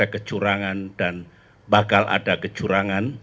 ada kecurangan dan bakal ada kecurangan